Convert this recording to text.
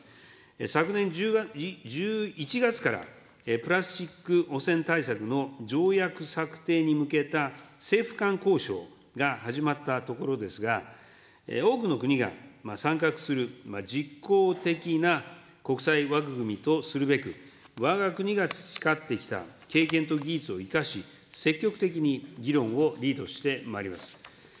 昨年１１月からプラスチック汚染対策の条約策定に向けた政府間交渉が始まったところですが、多くの国が参画する実効的な国際枠組みとするべく、わが国が培ってきた経験と技術を生かし、積極的に議論をリードしてまいります。